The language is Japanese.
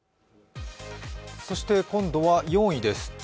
そして今度は４位です。